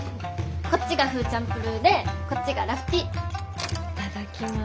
こっちがフーチャンプルーでこっちがラフテー。